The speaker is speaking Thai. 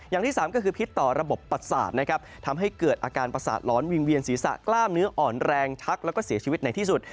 อย่างที่สามก็คือพิษต่อระบบประสาทนะครับทำให้เกิดอาการประสาทหลอนวิ่งเวียนศีรษะกล้ามเนื้ออ่อนแรงชักแล้วก็เสียชีวิตในที่สุด